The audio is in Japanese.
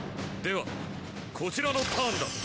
ではこちらのターンだ。